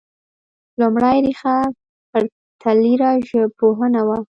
لومړۍ ريښه پرتلیره ژبپوهنه وه